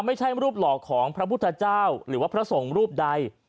ไม่ใช่รูปหล่อของพระพุทธเจ้าหรือว่าพระสงฆ์รูปใด